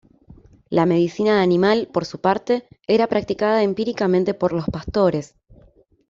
La medicina animal, por su parte, era practicada empíricamente por los pastores.